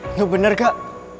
nggak bener kak